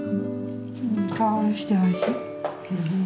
いい香りしておいしい。